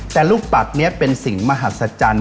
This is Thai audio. แต่ลูกปัดนี้เป็นสิ่งมหัศจรรย์